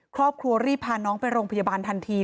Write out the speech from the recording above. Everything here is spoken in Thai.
ครอบครัวรีบพาน้องไปโรงพยาบาลทันที